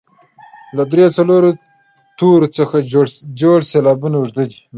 له دریو او څلورو تورو څخه جوړ سېلابونه اوږده وي.